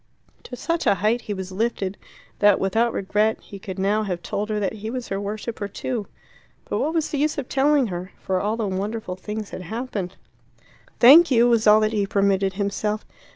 To such a height was he lifted, that without regret he could now have told her that he was her worshipper too. But what was the use of telling her? For all the wonderful things had happened. "Thank you," was all that he permitted himself.